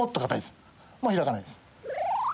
もう開かないです。